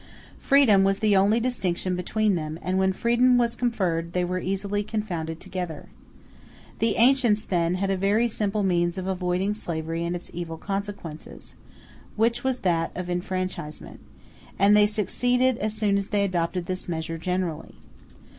Freedom was the only distinction between them; and when freedom was conferred they were easily confounded together. The ancients, then, had a very simple means of avoiding slavery and its evil consequences, which was that of affranchisement; and they succeeded as soon as they adopted this measure generally.